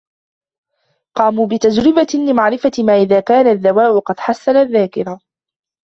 قاموا بتجربة لمعرفة ما اذا كان الدواء قد حسن الذاكرة.